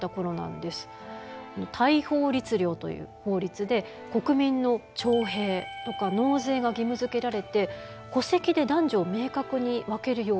大宝律令という法律で国民の徴兵とか納税が義務づけられて戸籍で男女を明確に分けるようになりました。